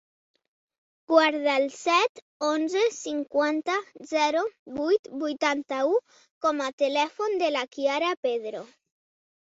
Guarda el set, onze, cinquanta, zero, vuit, vuitanta-u com a telèfon de la Kiara Pedro.